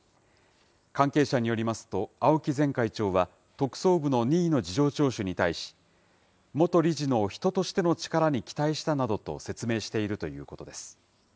関係者によりますと、青木前会長は、特捜部の任意の事情聴取に対し、元理事の人としての力に期待したなどと説明しているということです。